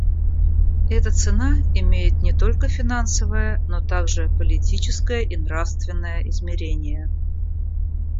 Эта цена имеет не только финансовое, но также политическое и нравственное измерения.